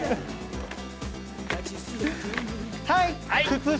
はい！